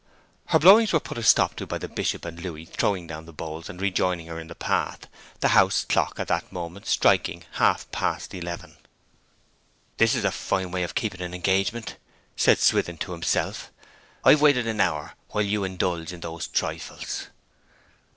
Her blowings were put a stop to by the Bishop and Louis throwing down the bowls and rejoining her in the path, the house clock at the moment striking half past eleven. 'This is a fine way of keeping an engagement,' said Swithin to himself. 'I have waited an hour while you indulge in those trifles!'